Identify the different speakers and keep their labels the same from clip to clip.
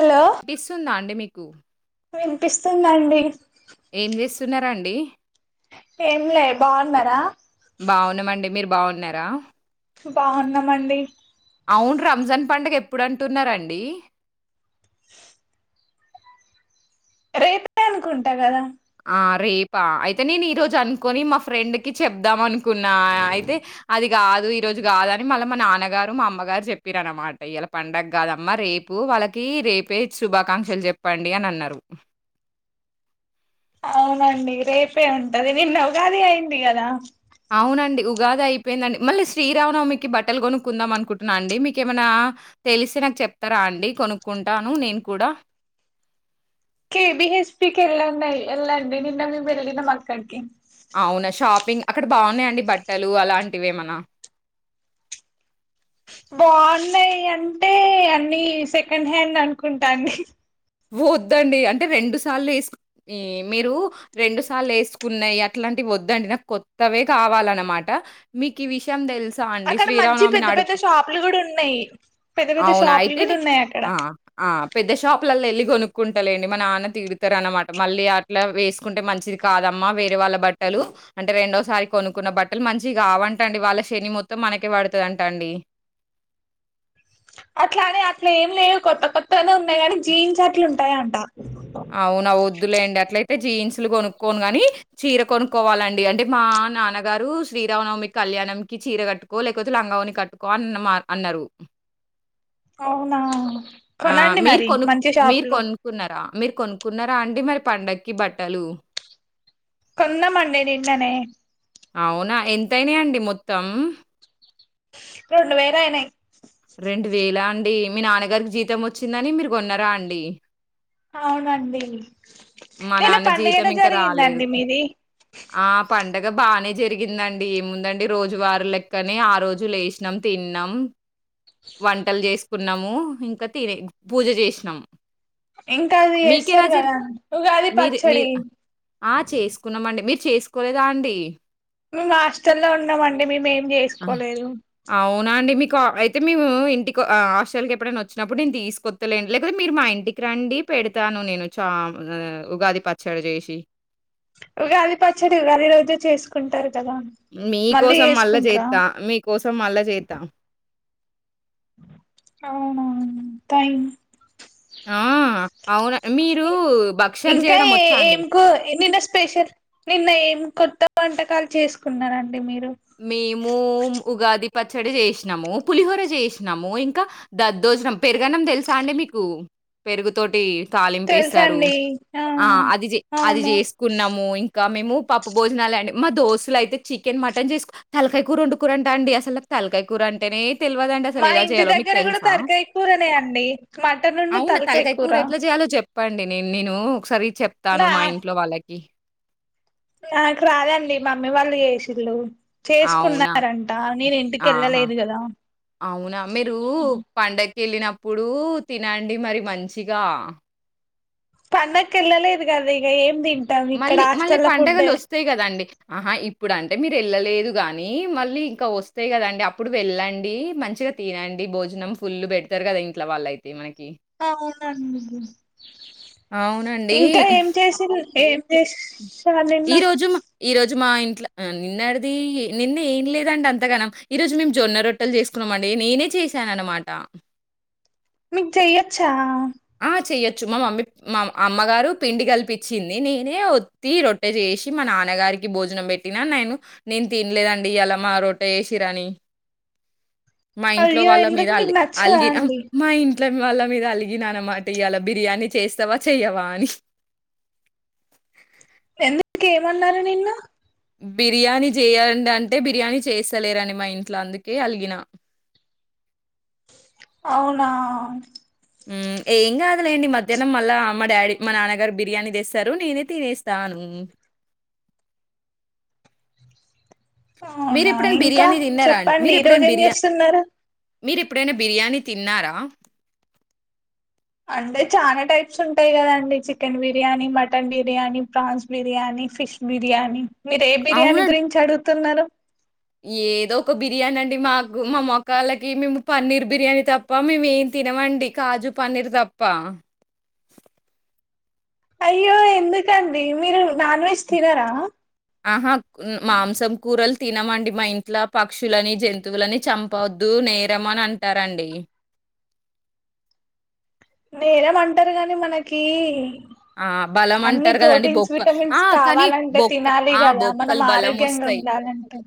Speaker 1: Hello
Speaker 2: డిస్తుందా అండి మీకు కు
Speaker 1: వినిపిస్తుందండి
Speaker 2: ఏం చేస్తున్నారండి
Speaker 1: ఏం లే బాగున్నారా
Speaker 2: బాగున్నామండి మీరు బాగు నారా
Speaker 1: బాగున్నామండి
Speaker 2: అవును రంజాన్ పండుగ ఎప్పుడు అంటున్నారండి
Speaker 1: రేపే అనుకుంటా కదా
Speaker 2: ఆ రేపా అయితే నేను ఈ రోజు అనుకొని మా ఫ్రెండ్ కి చెప్దాం అనుకున్నా అయితే అది కాదు ఈరోజు కాదని మళ్ళీ మా నాన్నగారు మా అమ్మగారు చెప్పిరన్నమాట ఇలా పండగ కాదమ్మా రేపు వాళ్ళకి రేపే శుభాకాంక్షలు చెప్పండి అని అన్నారు
Speaker 1: అవునండి రేపే ఉంటది నిన్న ఉగాది అయింది కదా
Speaker 2: అవునండి ఉగాది అయిపోయిందండి మళ్ళీ శ్రీరామునమికి బట్టలు కొనుక్కుందాం అనుకుంటున్నా అండి మీకేమనా తెలిస్తే నాకు చెప్తారా అండి కొనుక్కుంటాను నేను కూడా
Speaker 1: కే బి హెచ్ పికి ఎల్లండి ఎల్లండి నిన్న మేం వెళ్లిినం అక్కడికి
Speaker 2: అవునా షాపింగ్ అక్కడ బాగున్నాయండి బట్టలు అలాంటిఏమైనా
Speaker 1: బాగున్నాయి అంటే అని సెకండ్ హ్యాండ్ అనుకుంట అండి
Speaker 2: వద్దండి అంటే రెండు సార్లు వేసు మీరు రెండు సార్లు వేసుకున్నాయి అట్లాంటివి వద్దండి నాకు కొత్తవే కావాలన్నమాట మీకు ఈ విషయం తెలుస
Speaker 1: అక్కడ మంచి పెద్ద పెద్ద షాపులు కూడా ఉన్నాయి పెద్ద పెద్ద
Speaker 2: అవునా!
Speaker 1: షాపులు
Speaker 2: అయితే
Speaker 1: కూడా
Speaker 2: నే
Speaker 1: ఉన్నాయి అక్కడ
Speaker 2: వాళ్ళ వెళ్ళి కొనుక్కుంటాండి మా నాన్న తీడుతారు అనమాట మళ్ళీ అట్లా వేసుకుంటే మంచిది కాదమ్మా వేరే వాళ్ళ బట్టలు అంటే రెండోసారి కొనుక్కున్న బట్టలు మంచి కావంటండి వాళ్ళ శని మొత్తం మనకే పడతదంటా అండి
Speaker 1: అట్లానే అట్లా ఏం లేవు కొత్త కొత్తగానే ఉన్నాయి కానీ జీన్స్ అట్లా ఉంటాయంట-
Speaker 2: అవునా వద్దులే అండి అట్లయి అంటే జీన్సులు కొనుక్కోను గానీ చీర కొనుక్కోవాలండి అంటే మా నాన్నగారు శ్రీరామనవమి కళ్యాణంకి చీర కట్టుకో లేకపోతే లంగావుని కట్టుకో అన్న మా అన్నారు
Speaker 1: అవునా
Speaker 2: ఆ
Speaker 1: కొనండి
Speaker 2: మీరు
Speaker 1: మరి
Speaker 2: కొనుక్
Speaker 1: మంచి షాప్
Speaker 2: మీరు
Speaker 1: లో
Speaker 2: కొనుక్కున్నారా మీరు కొనుక్కున్నారా అండి మరి పండకి బట్టలు
Speaker 1: కొన్నమండి నిన్ననే
Speaker 2: అవునా ఎంతైనాయి అండి మొత్తం
Speaker 1: రెండువేలు అయినాయి
Speaker 2: రెండు వేలా అండి మీ నాన్నగారికి జీతం వచ్చిందని మీరు కొన్నరా అండి
Speaker 1: అవునండి
Speaker 2: మా
Speaker 1: ఏలా
Speaker 2: నాన్న జీతం
Speaker 1: పండుగలో
Speaker 2: ఇంకా
Speaker 1: జరిగిందండి మీది
Speaker 2: అండగా బానే జరిగిందండి ఏముందండి రోజువారు లెక్కనే ఆ రోజు లేసినాం తిన్నాం వంటలు చేసుకున్నాము ఇంకా తినే పూజ చేసినాము చేసినం
Speaker 1: ఇంకా అది వస్తారు కదా ఉగాది
Speaker 2: మీరు
Speaker 1: పచ్చడి
Speaker 2: మీరు ఆ! చేసుకున్నామండి. మీరు చేసుకోలేదా అండి
Speaker 1: మేం హాస్టల్లో ఉన్నామండి మేము ఏం చేసుకోలేదు
Speaker 2: యితే [inaudible] అయితే మేము ఇంటికి హాస్టల్ కి ఎప్పుడైనా వచ్చినప్పుడు నేను తీసుకొస్తలేండి లేకపోతే మీరు మా ఇంటికి రండి పెడతాను నేను చా ఉగాది పచ్చడి చేసి
Speaker 1: ఉగాది పచ్చడి ఉగాది రోజే చేసుకుంటారు కదా
Speaker 2: మీ
Speaker 1: మళ్ళీ
Speaker 2: కోసం మళ్ళా
Speaker 1: చేసుకుంటారా
Speaker 2: చేస్తా మీకోసం మళ్ళా చేస్తా
Speaker 1: అవునా థాంక్
Speaker 2: ఆ! అవును. మీరు భక్షాలు
Speaker 1: ఇంకా
Speaker 2: జేయడం వచ్చా అండి?
Speaker 1: ఏంకు నిన్న స్పెషల్ నిన్న ఏం కొత్త వంటకాలు చేసుకున్నరం
Speaker 2: మేము ఉగాది పచ్చడి చేసినాము పులిహోర చేసినాము ఇంకా దద్దోజనం పెరుగన్నం తెలుసా అండి మీకు పెరుగుతోటి తాలింపేశారు ఆ అది అది
Speaker 1: అవును
Speaker 2: చేసుకున్నాము ఇం మేము పప్పు భోజనాలు అండి మా దోస్తులు అయితే చికెన్ మటన్ చేస్తే తలకాయ కూర ఉండు కూరంట అండి అసలు తలకాయ కూరంటేనే తెలవదండి అసలు
Speaker 1: మా
Speaker 2: ఎలా
Speaker 1: ఇంటి
Speaker 2: చేయాలో మీకు
Speaker 1: దగ్గర కూడా
Speaker 2: తెలుసా
Speaker 1: తలకాయ కూరనే అండి మటనున్ను
Speaker 2: అవునా తలకాయ కూర ఎట్లా చేయాలో చెప్పండి నే నేను సరి చెప్తాను
Speaker 1: నా
Speaker 2: మా ఇంట్లో వాళ్ళ పే [unintelligible]
Speaker 1: నాకు రాదండి మమ్మీ వాళ్ళు చేసిళ్ళు
Speaker 2: అవునా?
Speaker 1: చేసుకున్నారంట నేను ఇంటికి
Speaker 2: ఆహా!
Speaker 1: ఎళ్ళలేదు కదా
Speaker 2: కేళ్ళినప్పుడు తినండి మరి మంచిగా
Speaker 1: పండక్కి వెళ్ళలేదు కదా ఇంకా ఏం తిం
Speaker 2: మళ్ళీ మళ్ళీ పండగలు వస్తాయి కదండి ఆహా ఇప్పుడు అం అంటే మీరు వెళ్ళలేదు గానీ మళ్ళీ ఇంకా వస్తాయి కదండి అప్పుడు వెళ్ళండి మంచిగా తినండి భోజనం ఫుల్ పెడతారు కదా ఇంట్లో వాళ్ళ అయితే మనకి
Speaker 1: అవునండి ఇంకా ఏం చేసింది ఏ
Speaker 2: ఈ రోజు ఈరోజు మా ఇంట్లో నిన్నడిది నిన్న ఏం లేదండి అంతగానం ఈరోజు మేము జొన్న రొట్టెలు చేసుకున్నామండి నేనే చేశాను అనమాట
Speaker 1: మీకు చేయొచ్చా
Speaker 2: ఆ చెయొచ్చు మా మమ్మీ మా అమ్మగారు పిండి కల్పించింది నేనే ఒత్తి రొట్టె చేసి మా నాన్నగారికి భోజనం పెట్టినా నేను నేను తినలేదండి అలా మా రొట్టె చేసిరని మా ఇంట్లో
Speaker 1: అయ్యో
Speaker 2: వాళ్ళ మీద
Speaker 1: ఎందుకు
Speaker 2: అల్
Speaker 1: మీకు నచ్చదా
Speaker 2: అలిగిన
Speaker 1: అండి
Speaker 2: మా ఇం ట్లో వాళ్ళ మీద అలి గిన అనమాట ఇయ్యాల బిర్యానీ చేస్తావా చెయ్యవా అని
Speaker 1: ఎందుకు ఏమన్నారు నిన్ను
Speaker 2: బిర్యానీ చేయండి అంటే బిర్యానీ చేస్తలేరని మా ఇంట్లో అందుకే అలిగిన
Speaker 1: అవునా
Speaker 2: ఏం కాదలేండి మధ్యాహ్నం మళ్ళా మా డాడీ మా నాన్నగారు బిర్యానీ తెస్తారు నేనే తినేస్తాను
Speaker 1: అవునా
Speaker 2: మీరెప్పుడైనా
Speaker 1: ఇంకా
Speaker 2: బిర్యానీ తిన్నారా
Speaker 1: చెప్పండి ఈ రోజు ఏం చేస్తున్నారు
Speaker 2: మీరు ఎప్పుడైనా బిర్యానీ తిన్నారా
Speaker 1: అంటే చాలా టైప్స్ ఉంటాయి కదండి chicken biryani mutton biryani prawns biryani fish biryani మీరు ఏ బిర్యానీ
Speaker 2: అవునండి.
Speaker 1: గురించి అడుగు తున్నారు
Speaker 2: ఏదో ఒక బిర్యానీ అండి మాకు మా మొక్కళ్ళకి మేము పన్నీర్ బిర్యానీ తప్ప మేము ఏం తినమండి కాజు పన్నీర్ తప్ప
Speaker 1: అయ్యో ఎందుకండి మీరు నాన్ వెజ్ తినరా
Speaker 2: ఆహా మాంసం కూరలు తినమండి మా ఇంట్లో పక్షులని జంతువులని చంపవద్దు నేరం అని అంటారండి
Speaker 1: నేరమంటారు గాని మనకి
Speaker 2: ఆ బలం
Speaker 1: అన్ని
Speaker 2: అంటారు కదండి
Speaker 1: ప్రోటీన్స్
Speaker 2: బొక్క ఆ
Speaker 1: విటమిన్స్
Speaker 2: కానీ
Speaker 1: కావాలంటే
Speaker 2: బొక్క
Speaker 1: తినాలి
Speaker 2: ఆ
Speaker 1: కదా మనం
Speaker 2: బొక్కలు బలం
Speaker 1: ఆరోగ్యంగా
Speaker 2: వస్తాయి
Speaker 1: ఉండాలంటే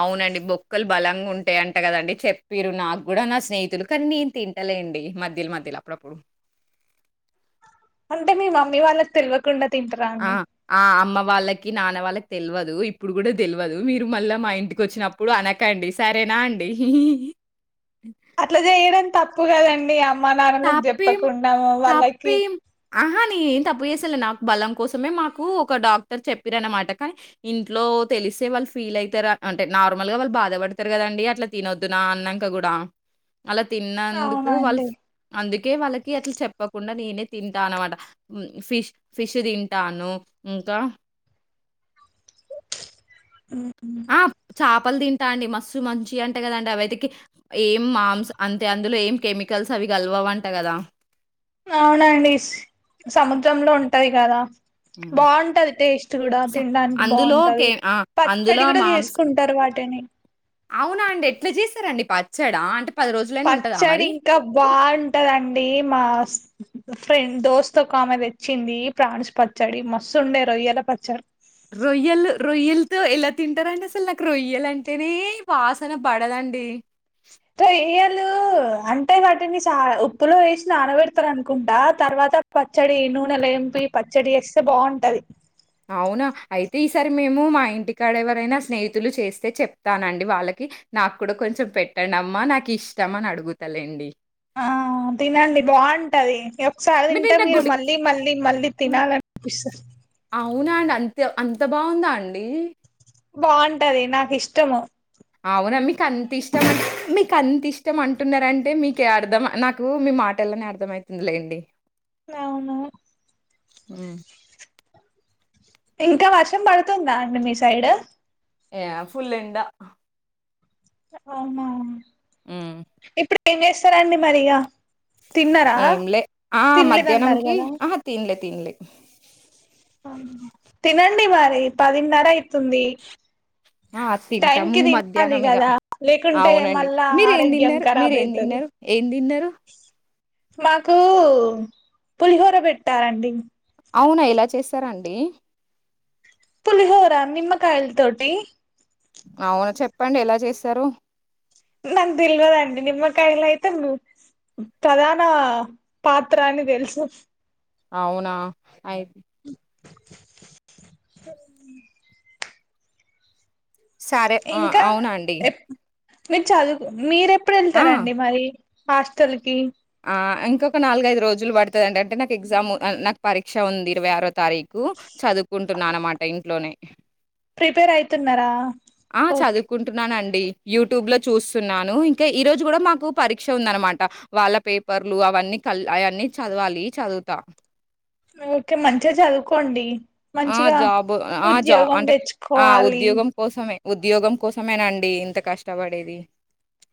Speaker 2: అవునండి బొక్కలు బలంగా ఉంటాయి అంట కదండి చెప్పిరు నాకు కూడా నా స్నేహితులు కానీ నేను తింటలేండి మధ్యలు మధ్యలో అప్పుడప్పుడు
Speaker 1: అంటే మీ మమ్మీ వాళ్ళకి తెలవకుండా
Speaker 2: ఆ ఆ అమ్మ వాళ్ళకి నాన్న వాళ్ళకి తెల్వదు ఇప్పుడు కూడా తెల్వదు మీరు మళ్ళా మా ఇంటికి వచ్చినప్పుడు అనకండి సరేనా అండి
Speaker 1: అట్లా చేయడం తప్పు కదండి అ మా నాన్నకు చెప్పకుండా ము వాళ్ళకి
Speaker 2: ఆహా న ఏం తప్పు చేసాలే నాకు బలం కోసమే మాకు ఒక డాక్టర్ చెప్పిర అనమాట కానీ ఇంట్లో తెలిసే వాళ్ళు ఫీల్ అయితారు అంటే నార్మల్ గా వాళ్ళు బాధపడతారు కదండి అట్లా తినొద్దునా అన్నాక కూడా అలా తిన్నందుకు వాళ్ళు
Speaker 1: అవునండి
Speaker 2: అందుకే వాళ్ళకి అట్లా చెప్పకుండా నేనే తింటాను అనమాట ఫిష్ ఫిష్ తింటాను ఇంకా
Speaker 1: ఉమ్
Speaker 2: ఆ చాప లు తింటా అండి మస్తు మంచియ అంట కదండి అవకి ఏం మాంస్ అంతే అందులో ఏం కెమికల్స్ అవి కలవవంట కదా
Speaker 1: అవునండి [unintelligible] సముద్రంలో ఉంటది గదా
Speaker 2: హ్మ్.
Speaker 1: బాగుంటది, టేస్ట్ గూడ
Speaker 2: స
Speaker 1: తినడానికి
Speaker 2: అందులో
Speaker 1: బావుంటది.
Speaker 2: కే ఆ!
Speaker 1: పచ్చడి
Speaker 2: అందులో
Speaker 1: కూడా
Speaker 2: మాంస
Speaker 1: చేసుకుంటారు. వాటిని
Speaker 2: అవునా అండి ఎట్లా చేస్తారండి పచ్చాడా అంటే రోజులైనా ఉంటదా
Speaker 1: పచ్చడి
Speaker 2: మరి?
Speaker 1: ఇంక బాగుంటదండి మాస్ ఫ్రెండ్ దోస్త్ ఒక ఆమె తెచ్చింది. ప్రాన్స్ పచ్చడి మస్సు ఉండే రొయ్యల పచ్చడి.
Speaker 2: రొయ్యలు, రొయ్యల్తో ఎలా తింటరండీ! అసలు నాకు రొయ్యలు అంటేనే వాసన బడదండి.
Speaker 1: లు అంటే, వాటిని సా ఉప్పులో వేసి నానబెడతారు అనుకుంటా. తర్వాత పచ్చడి నూనెల ఎంపి పచ్చడి చేస్తే బాగుంటది.
Speaker 2: అవునా! అయితే ఈసారి మేము, మా ఇంటికాడ ఎవరైనా స్నేహితులు చేస్తే చెప్తానండి. వాళ్లకి నాకు కూడా కొంచెం పెట్టండమ్మ నాకిష్టం అని అడుగుతలేండి.
Speaker 1: ఆ తినండి బాగుంటది [unintelligible] సారి తింటే
Speaker 2: నిన్న
Speaker 1: మీరు మళ్ళీ,
Speaker 2: గుడి
Speaker 1: మళ్ళీ, మళ్ళీ తినాలని పిస్తది.
Speaker 2: అవున అండి అంత్య అంత బాగుందాండి.
Speaker 1: బావుంటది నాకిష్టము
Speaker 2: కంతిష్టం అంటే మికంతిష్టం అంటున్నారంటే, మీకే అర్థం నాకు మీ మాటల్లోనే అర్థమయతుందిలేండి.
Speaker 1: నవునా
Speaker 2: హు
Speaker 1: ఇంకా వర్షం పడుతుందా అండి మీ సైడ్
Speaker 2: య ఫుల్ ఎండ
Speaker 1: [unintelligible] అవునా
Speaker 2: హామ్
Speaker 1: ఇప్పుడు ఏం చేస్తారండి మరి ఇగ తిన్నారా
Speaker 2: ఏంలే ఆ
Speaker 1: తినలేదన్నారు
Speaker 2: మధ్యాహ్నంకి
Speaker 1: కదా
Speaker 2: అహ తిన్లే తిన్లే
Speaker 1: తినండి మరీ పదిన్నర అయితుంది
Speaker 2: ఆహ్
Speaker 1: టైం
Speaker 2: తింటాము
Speaker 1: కి తినాలి
Speaker 2: మధ్యాహ్నం ఇగ
Speaker 1: కదా లేకుంటే
Speaker 2: అవునండి.
Speaker 1: మళ్ళా
Speaker 2: మీరు ఏం
Speaker 1: ఆరోగ్యం
Speaker 2: తిన్నారు,
Speaker 1: ఖరాబ్
Speaker 2: మీరేం
Speaker 1: అయితది
Speaker 2: తిన్నారు, ఏం తిన్నారు.
Speaker 1: మాకు పులిహోర పెట్టారండి
Speaker 2: అవునా ఎలా చేస్తారండీ
Speaker 1: పులిహోరా నిమ్కాయల్ తోటి
Speaker 2: పండు ఎలా చేస్తారు
Speaker 1: నాక్ తెల్వదండి నిమ్మకాయలైతే ము ప్రధాన పాత్ర అని తెలుసు
Speaker 2: అవునా అయి
Speaker 1: [inaudible]
Speaker 2: సరే ఆ అవునా అండి
Speaker 1: మీర్ చదువు మీరేప్
Speaker 2: ఆ!
Speaker 1: ప్పుడెళ్తారండి మరి హాస్టల్కి
Speaker 2: ఆ ఇంకొక నాలుగైదు రోజులు బడతదండి. అంటే నాక్ ఎగ్జామ్ [unintelligible] నాక్ పరీక్ష ఉంది. ఇరవై ఆరో తారీకు చదువుకుంటున్నా, అనమాట ఇంట్లోనే.
Speaker 1: ప్రిపేర్ అయితున్నారా ఓకె
Speaker 2: ది. యూట్యూబ్లో చూస్తున్నాను ఇంకా ఈ రోజు గుడా మాకు పరీక్ష ఉందనమాట. వాళ్ళ పేపర్లు అవన్నీ కల్ అయన్ని చదవాలి చదువుతా
Speaker 1: ఓకె మంచిగ చదువుకోండి
Speaker 2: ఆ
Speaker 1: మంచిగా
Speaker 2: జాబ్ ఆ జా
Speaker 1: ఉద్యోగం
Speaker 2: అంటే ఆ
Speaker 1: తెచ్చుకోవాలి
Speaker 2: ఉద్యోగం కోసమే ఉద్యోగం కోసమేనండి ఇంత కష్టపడేది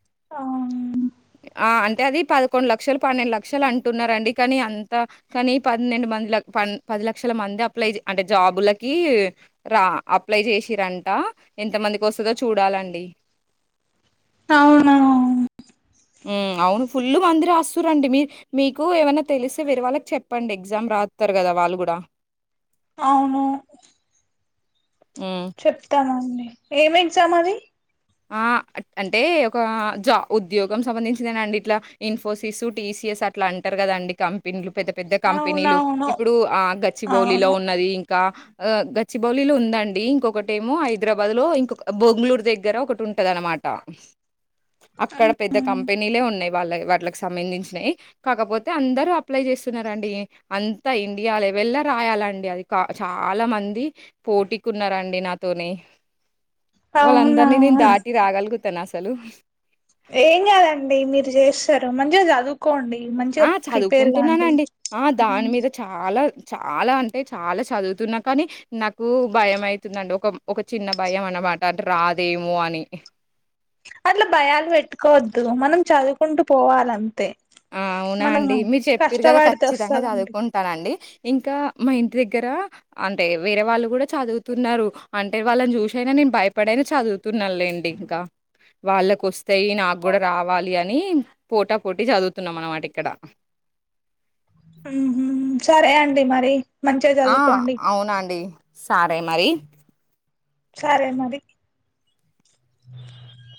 Speaker 1: ఆహ
Speaker 2: ఆ అంటే అది పదకొండు లక్షలు పన్నెండు లక్షలు అంటున్నారండి కానీ అంత కానీ పన్నెండు మంది ల ప పది లక్షల మంది అప్లై చే అంటే జాబులకి ర అప్లై చేసిరంట ఎంత మందికి వస్తదో చూడాలండి
Speaker 1: అవునా
Speaker 2: ఉమ్ అవును ఫుల్ మంది రాస్తురండి మి మీకు ఏమైన తెలిస్తే వేరే వాళ్ళకి చెప్పండి ఎగ్జామ్ రాస్తార్ కదా వాళ్ళు కూడ
Speaker 1: అవును
Speaker 2: హ్మ్.
Speaker 1: చెప్తానండి ఎం ఎగ్జామ్ అది
Speaker 2: ఆ అంటే ఒక జ ఉద్యోగం సంబంధించిందేనండి ఇట్ల ఇన్ఫోసిస్ టీ సిఎస్ అట్ల అంటారు కదాండి కంపెనీలు పెద్ద పెద్ద కంపెనీలు
Speaker 1: అవునవును
Speaker 2: ఇప్పుడు అ గచ్చిబోలిలో
Speaker 1: అవును
Speaker 2: ఉన్నది క గచ్చిబౌలిలు ఉందండి ఇంకొకటేమో హైద్రాబాద్ లో ఇంకొక బొంగుళూరు దగ్గర ఒక ట్టుంటదనమాట అక్కడ పెద్ద కంపెనీలే ఉన్నాయి వాళ్ళ వాట్లకి సంబంధించినయి కాకపోతే అందరు అప్లై చేస్తున్నారండి అంతా ఇండియా లె వెళ్ళ రాయాలండి అది చాల మంది పోటీకున్నారంండి నాతోనే
Speaker 1: కవునా
Speaker 2: దాటి రాగలుగతన అస్సలు
Speaker 1: ఏం కాాదండి మీర్ చేస్తరు మంచిగా చదువుకోండి మంచిగా
Speaker 2: ఆ
Speaker 1: ప్రిపేర్ కాండి
Speaker 2: చదువుకుంటున్నానండి ఆ దాని
Speaker 1: ఉమ్.
Speaker 2: మీద చాల్ చాలా అంటే చాలా చదువుతున్నా కానీ నాకు భయమయితుందండి ఒక ఒక చిన్న భయం అన్నమాట అంట రాదేమో అని
Speaker 1: అట్ల భయాలు పెట్టుకోవద్దు మనం చదువుకుంటూ పోవాలంతే
Speaker 2: ఆ అవునా
Speaker 1: మనము
Speaker 2: అండి మీర్ చెప్పిరు కదా
Speaker 1: కష్టపడితే
Speaker 2: ఖచ్చితంగా
Speaker 1: వస్తదండి
Speaker 2: చదువుకుంటానండి ఇంకా మా ఇంటి దగ్గర అంటే వేరే వాళ్ళు కూడ చదువుతున్నారు అంటే వాళ్ళని చూసైన నేన్ భయపడైనా చదువుతున్నాలేండి ఇంకా వాళ్ళకు వస్తాయి నాక్ కూడా రావాలి అని పోటా పోటీ చదువు తున్నాం అనమాట ఇక్కడ
Speaker 1: ఉ హుమ్ సరే అండి మరి మంచిగా
Speaker 2: ఆ
Speaker 1: చదువుకోండి
Speaker 2: అవునండి సరే మరి
Speaker 1: సరే మరి